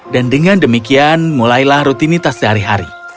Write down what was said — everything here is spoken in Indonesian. dan dengan demikian mulailah rutinitas sehari hari